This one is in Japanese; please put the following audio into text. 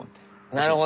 なるほど。